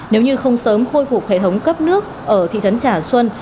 nếu như không sớm khôi phục hệ thống cấp nước ở thị trấn trà xuân